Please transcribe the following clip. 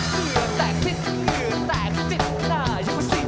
เหงื่อแตกสิน่าอยากว่าสิ